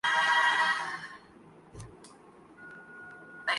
اس سے بڑی سزا بے وقوفی کی بنتی ہے۔